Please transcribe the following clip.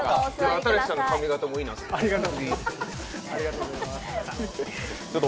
新子さんの髪形もいいなと思って。